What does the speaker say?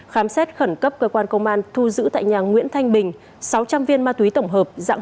khám xét khẩn cấp cơ quan công an thu giữ tại nhà nguyễn thanh bình sáu trăm linh viên ma túy tổng hợp dạng